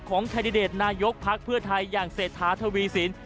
แคนดิเดตนายกภักดิ์เพื่อไทยอย่างเศรษฐาทวีสิน